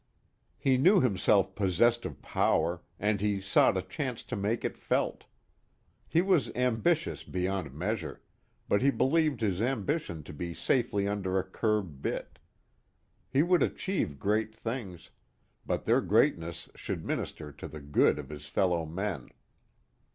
He knew himself possessed of power, and he sought a chance to make it felt. He was ambitious beyond measure, but he believed his ambition to be safely under a curb bit. He would achieve great things, but their greatness should minister to the good of his fellow men.